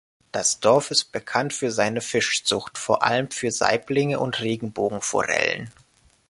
Das Dorf ist bekannt für seine Fischzucht, vor allem für Saiblinge und Regenbogenforellen.